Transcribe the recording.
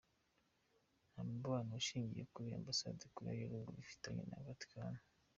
Nta mubano ushingiye kuri ambasade Koreya ya ruguru ifitanye na Vaticani.